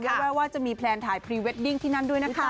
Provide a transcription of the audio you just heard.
แล้วแววว่าจะมีแพลนถ่ายพรีเวดดิ้งที่นั่นด้วยนะคะ